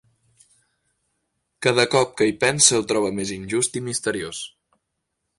Cada cop que hi pensa ho troba més injust i misteriós.